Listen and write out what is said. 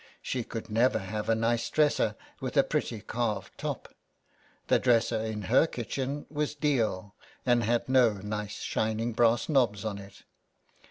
She could never have 70 SOME PARISHIONERS. a nice dresser with a pretty carved top. The dresser in her kitchen was deal, and had no nice shining brass knobs on it.